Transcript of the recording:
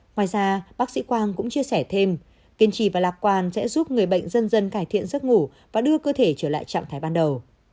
ngoài ra bác sĩ quang cũng chia sẻ thêm kiên trì và lạc quan sẽ giúp người bệnh dân dân cải thiện giấc ngủ và đưa cơ thể trở lại trạng thái ban đầu